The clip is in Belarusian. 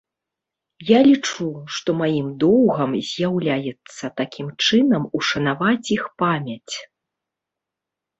Я лічу, што маім доўгам з'яўляецца такім чынам ушанаваць іх памяць.